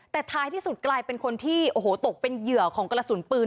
แต่ท้ายที่สุดกลายเป็นคนที่โอ้โหตกเป็นเหยื่อของกระสุนปืน